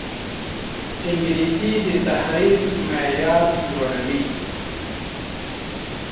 انګلیسي د تحریر معیار لوړوي